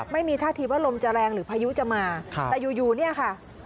ไม่มีท่าทีว่าลมจะแรงหรือพายุจะมาแต่อยู่เนี่ยค่ะ